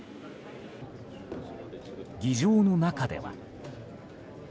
議場の中では。